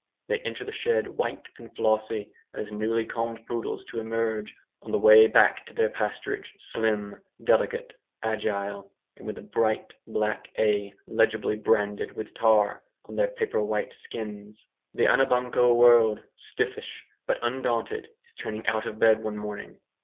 They enter the shed white and flossy as newly combed poodles to emerge, on the way back to their pasturage, slim, delicate, agile, with a bright black A legibly branded with tar on their paper white skins. The Anabanco world stiffish but undaunted is turning out of bed one morning.